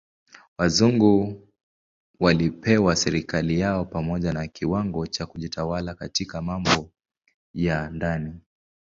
Wazungu walipewa serikali yao pamoja na kiwango cha kujitawala katika mambo ya ndani.